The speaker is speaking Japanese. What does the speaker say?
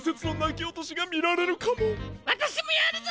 わたしもやるぞ！